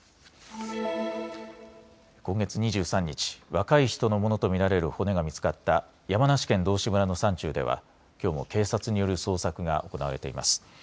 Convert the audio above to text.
今月２３日、若い人のものと見られる骨が見つかった山梨県道志村の山中ではきょうも警察による捜索が行われています。